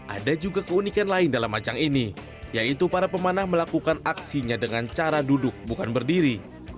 ada juga keunikan lain dalam ajang ini yaitu para pemanah melakukan aksinya dengan cara duduk bukan berdiri